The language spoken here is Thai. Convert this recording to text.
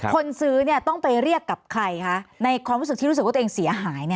คนซื้อต้องไปเรียกกับใครคะในความรู้สึกที่รู้สึกว่าตัวเองเสียหาย